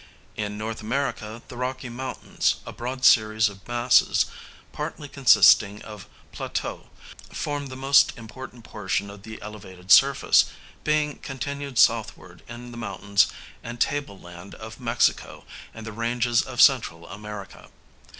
In North America the Rocky Mountains, a broad series of masses partly consisting of plateaux, form the most important portion of the elevated surface, being continued southward in the mountains and tableland of Mexico and the ranges of Central America.